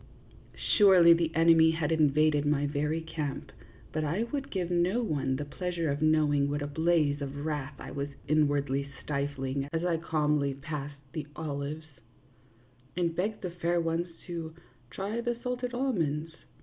Surely the enemy had invaded my very camp, but I would give no one the pleasure of knowing what a blaze of wrath I was inwardly stifling as I calmly passed the olives, and begged the fair ones to try the salted almonds.